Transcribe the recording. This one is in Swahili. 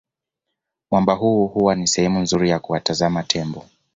Mwamba huu huwa ni sehemu nzuri ya kuwatazama Tembo